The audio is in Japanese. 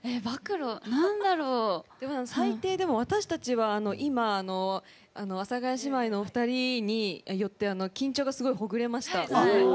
最低でも、私たちは阿佐ヶ谷姉妹のお二人によって緊張がすごい、ほぐれました。